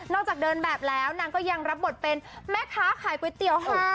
จากเดินแบบแล้วนางก็ยังรับบทเป็นแม่ค้าขายก๋วยเตี๋ยว๕